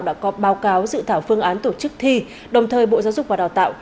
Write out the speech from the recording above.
đã có báo cáo dự thảo phương án tổ chức thi đồng thời bộ giáo dục và đào tạo